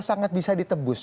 sangat bisa ditebus